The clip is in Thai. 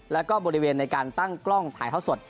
แล้วก็บริเวณในการตั้งกล้องถ่ายทอดสด